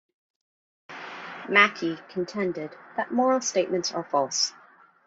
Mackie contended that moral statements are false.